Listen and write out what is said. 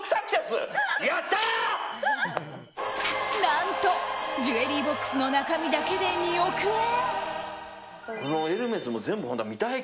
何と、ジュエリーボックスの中身だけで２億円！